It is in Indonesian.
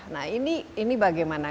nah ini bagaimana